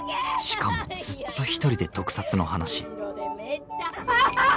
しかもずっと一人で毒殺の話あっあっ！